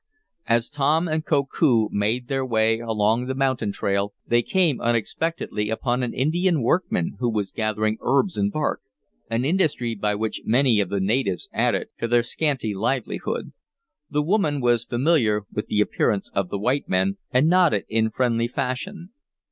As Tom and Koku made their way along the mountain trail they came unexpectedly upon an Indian workman who was gathering herbs and bark, an industry by which many of the natives added to their scanty livelihood. The woman was familiar with the appearance of the white men, and nodded in friendly fashion.